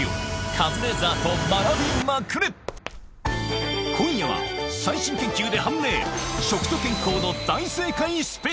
カズレーザーと学びまくれ今夜は最新研究で判明！